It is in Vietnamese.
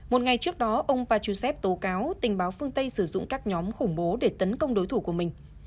một ngày trước đó ông pachusev tố cáo tình báo phương tây sử dụng các nhóm khủng bố để tấn công đối thủ của mình